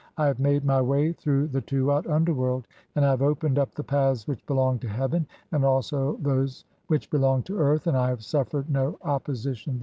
I have made "my way through thy Tuat (underworld), and I have opened "up the paths which belong to heaven and also those which "belong to earth, and I have suffered no opposition therein.